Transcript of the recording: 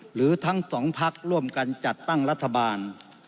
หรือทั้งสองพักร่วมกันจัดตั้งรัฐบาล